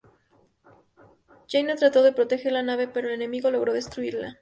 Jaina trató de proteger la nave pero el enemigo logró destruirla.